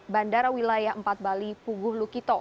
bandara wilayah empat bali puguh lukito